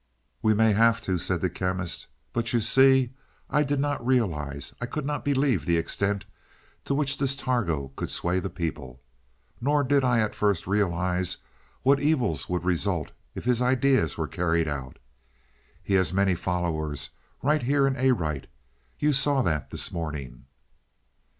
"We may have to," said the Chemist. "But you see, I did not realize, I could not believe the extent to which this Targo could sway the people. Nor did I at first realize what evils would result if his ideas were carried out. He has many followers right here in Arite. You saw that this morning."